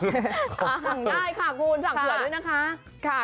สั่งได้ค่ะคุณสั่งเผื่อด้วยนะคะ